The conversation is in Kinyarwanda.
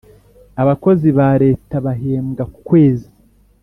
Abakozi ba leta bahembwa kukwezi